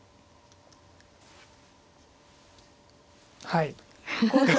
はい。